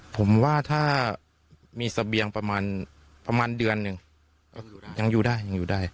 ผมว่าถ้ามีเสบียงประมาณเดือนหนึ่งยังอยู่ได้